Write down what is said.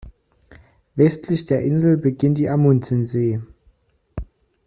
Westlich der Insel beginnt die Amundsensee.